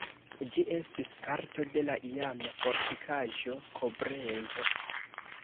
Ĝi estis parto de la iama fortikaĵo Koblenco.